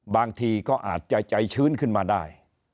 บางทีก็อาจจะใจชื้นขึ้นมาได้